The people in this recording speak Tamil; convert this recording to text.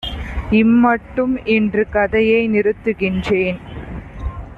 "இம்மட்டும் இன்று கதையை நிறுத்துகின்றேன்;